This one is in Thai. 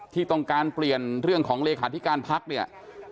ที่ต้องการเปลี่ยนเรื่องของเลขาธิการพักเนี่ย